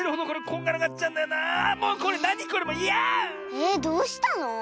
えっどうしたの？